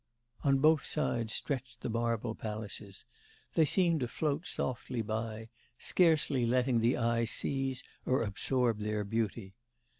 On both sides stretched marble palaces; they seemed to float softly by, scarcely letting the eye seize or absorb their beauty.